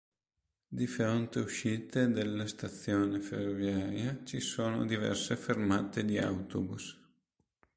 Di fronte uscite della stazione ferroviaria, ci sono diverse fermate di autobus.